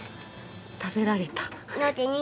食べられた。